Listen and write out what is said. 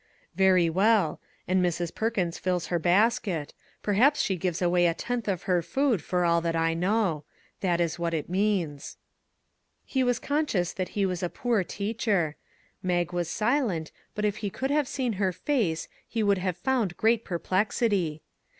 " Very well ; and Mrs. Perkins fills her basket; perhaps she gives away a tenth of her food, for all that I know. That is what it means." He was conscious that he was a poor teacher. Mag was silent, but if he could have seen her face he would have found great perplexity.